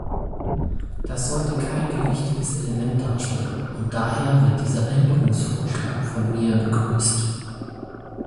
Das sollte kein gewichtiges Element darstellen, und daher wird dieser Änderungsvorschlag von mir begrüßt.